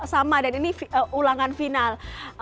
sama dan ini ulangan final